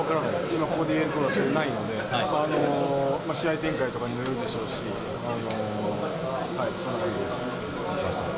今ここで言えることがないので、試合展開とかにもよるんでしょうし、そんな感じです。